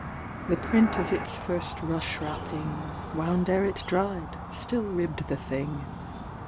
The print of its first rush wrapping, Wound ere it dried, still ribbed the thing.